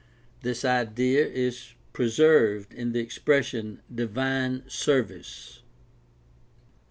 This idea is preserved in the expression "divine service."